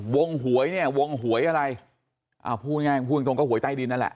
หวยเนี่ยวงหวยอะไรอ่าพูดง่ายพูดตรงก็หวยใต้ดินนั่นแหละ